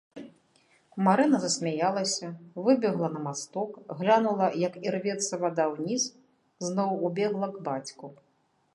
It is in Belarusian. Марына засмяялася, выбегла на масток, глянула, як ірвецца вада ўніз, зноў убегла к бацьку.